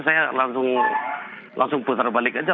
saya langsung putar balik aja